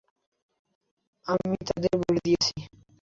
আমি তাদের বলে দিয়েছি।